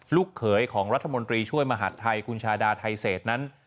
ลูกเขยของรัฐมนตรีช่วยมหาดไทยคุณชาดาไทเศษนั้น